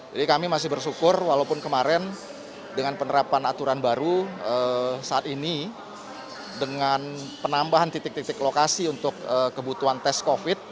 jadi kami masih bersyukur walaupun kemarin dengan penerapan aturan baru saat ini dengan penambahan titik titik lokasi untuk kebutuhan tes covid sembilan belas